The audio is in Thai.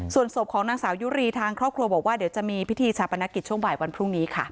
ส่วนศพของนางสาวยุรีทางครอบครัวบอกว่าเดี๋ยวจะมีพิธีชาปนกิจช่วงบ่ายวันพรุ่งนี้ค่ะ